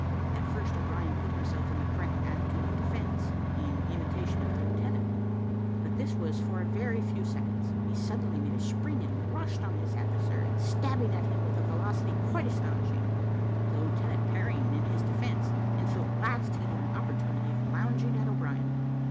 At first, O'Brien put himself in the correct attitude of defence, in imitation of the lieutenant, but this was for a very few seconds: he suddenly made a spring, and rushed on his adversary, stabbing at him with a velocity quite astonishing, the lieutenant parrying in his defence, until at last he had an opportunity of lounging at O'Brien.